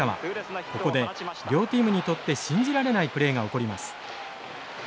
ここで両チームにとって信じられないプレーが起こります。